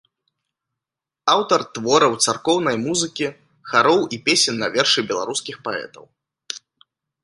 Аўтар твораў царкоўнай музыкі, хароў і песень на вершы беларускіх паэтаў.